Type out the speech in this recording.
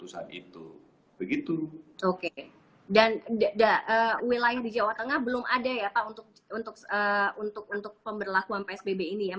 apa yang saya inginkan ya agar mereka bisa mengadakan pengambilan rinses prisjanko